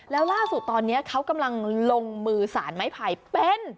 แล้วล่าสุดตอนนี้เขากำลังลงมือสารไม้ไผ่เป็น